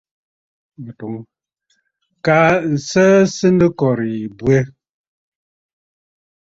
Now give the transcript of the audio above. Kaa nsəə sɨ nɨ kɔ̀rə̀ yì bwɛ.